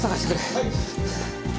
はい。